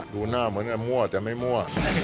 ดูหน้าเหมือนจะมั่วแต่ไม่มั่ว